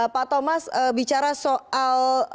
pak thomas bicara soal